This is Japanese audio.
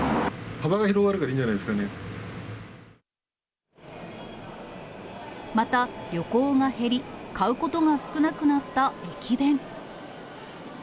幅が広がるからいいんじゃなまた旅行が減り、買うことが少なくなった駅弁。